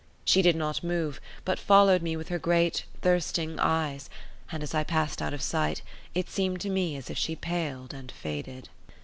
She did not move, but followed me with her great, thirsting eyes; and as I passed out of sight it seemed to me as if she paled and faded.